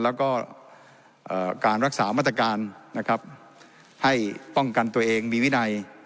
แล้วก็การรักษามาตรการนะครับให้ป้องกันตัวเองมีวินัย